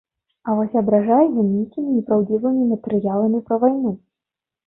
А вось абражае ён нейкімі непраўдзівымі матэрыяламі пра вайну?